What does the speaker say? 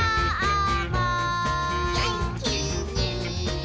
「げんきに」